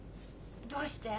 どうして？